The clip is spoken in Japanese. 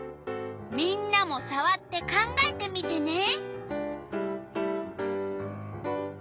みんなもさわって考えてみてね。